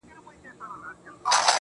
یاد د هغې راکړه، راته شراب راکه,